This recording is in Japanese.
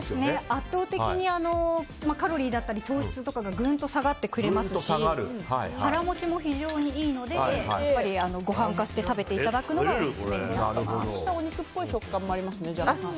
圧倒的に、カロリーだったり糖質とかがぐんと下がってくれますし腹持ちも非常にいいのでご飯化して、食べていただくのがオススメになります。